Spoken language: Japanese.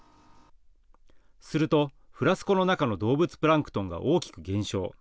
するとフラスコの中の動物プランクトンが大きく減少。